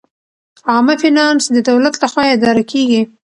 عامه فینانس د دولت لخوا اداره کیږي.